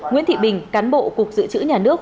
nguyễn thị bình cán bộ cục dự trữ nhà nước